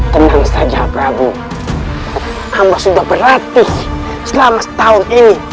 tenang saja prabu amba sudah berarti selama setahun ini